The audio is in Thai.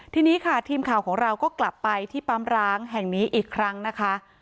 ทีนี้ค่ะทีมข่าวของเราก็กลับไปที่ปั๊มร้างแห่งนี้อีกครั้งนะคะ